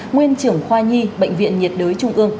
nguyên trưởng khoa nhi bệnh viện nhiệt đới trung ương